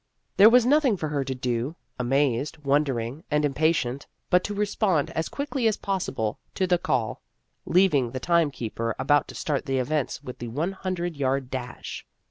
There was nothing for her to do, amazed, wondering, and impatient, but to respond as quickly as possible to the call, leaving the time keeper about to start the events with the one hundred yard dash.